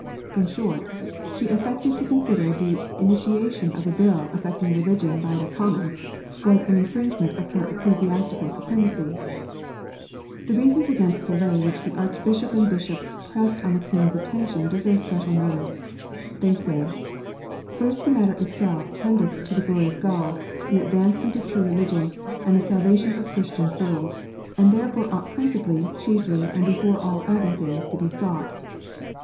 In short, she affected to consider the initiation of a Bill affecting religion by the Commons, was an infringement of her ecclesiastical supremacy ! The reasons against delay which the Archbishop and Bishops pressed on the Queen s attention deserve special notice. They say :" First, the matter itself tendeth to the glory of God, the advancement of true religion, and the salvation of Christian souls, and therefore ought principally, chiefly, and before all other things to be sought.